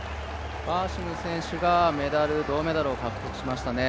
バーシム選手が銅メダルを獲得しましたね。